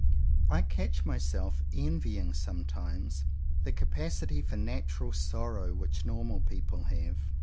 I catch myself envying sometimes the capacity for natural sorrow which normal people have.